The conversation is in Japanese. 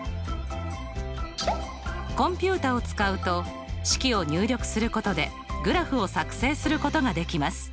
コンピュータを使うと式を入力することでグラフを作成することができます。